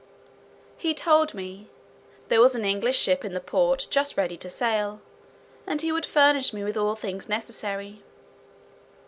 He told me, "there was an English ship in the port just ready to sail, and he would furnish me with all things necessary."